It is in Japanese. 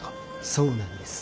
そうなんです。